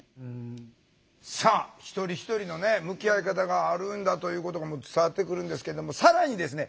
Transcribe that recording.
さあ一人一人の向き合い方があるんだということが伝わってくるんですけども更にですね